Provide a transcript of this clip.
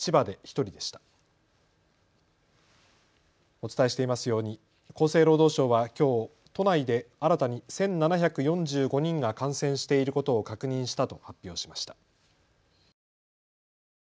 お伝えしていますように厚生労働省はきょう都内で新たに１７４５人が感染していることを確認したと発表しました。